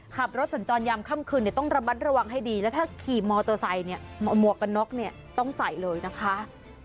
ขับรถสัญจรยามค่ำคืนเนี่ยต้องระมัดระวังให้ดีแล้วถ้าขี่มอเตอร์ไซค์เนี่ยหมวกกันน็อกเนี่ยต้องใส่เลยนะคะ